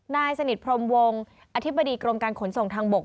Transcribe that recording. นายสนิทพรมวงอธิบดีกรมการขนส่งทางบก